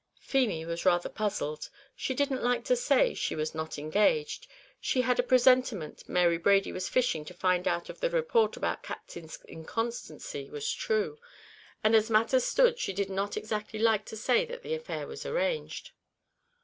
Feemy was rather puzzled; she didn't like to say she was not engaged; she had a presentiment Mary Brady was fishing to find out if the report about the Captain's inconstancy was true, and as matters stood she did not exactly like to say that the affair was arranged.